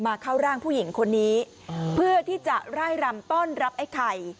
เข้าร่างผู้หญิงคนนี้เพื่อที่จะไล่รำต้อนรับไอ้ไข่